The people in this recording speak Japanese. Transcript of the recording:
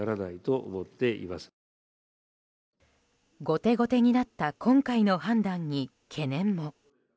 後手後手になった今回の判断に懸念も。